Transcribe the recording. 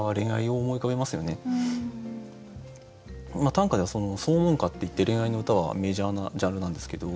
短歌では「相聞歌」っていって恋愛の歌はメジャーなジャンルなんですけど。